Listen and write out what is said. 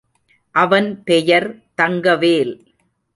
அவன் பெயர் தங்கவேல்.